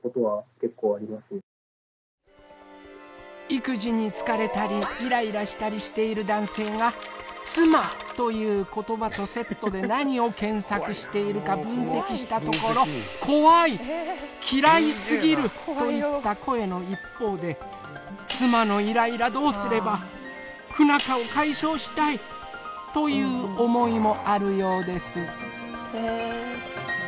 育児に疲れたりイライラしたりしている男性が妻という言葉とセットで何を検索しているか分析したところ怖い嫌いすぎるといった声の一方で妻のイライラどうすれば不仲を解消したいという思いもあるようです。